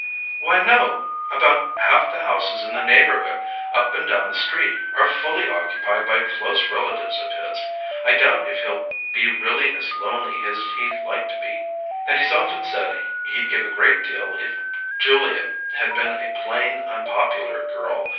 "Why, no! About half the houses in the neighbourhood, up and down the street, are fully occupied by close relatives of his: I doubt if he'll be really as lonely as he'd like to be. And he's often said he'd give a great deal if Julia had been a plain, unpopular girl.